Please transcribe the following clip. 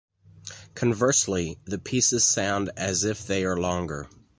Conversely, the pieces sound as if they are longer.